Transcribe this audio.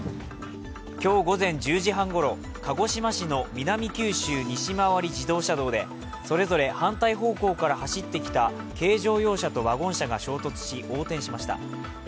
今日午前１０時半ごろ、鹿児島市の南九州西回り自動車道でそれぞれ反対方向から走ってきた軽乗用車とワゴン車が衝突し、横転しました。